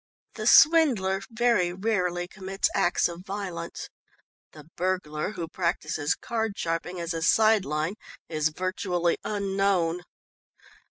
The swindler very rarely commits acts of violence. The burglar who practises card sharping as a side line, is virtually unknown.